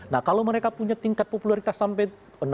nah kalau mereka punya tingkat popularitas sampai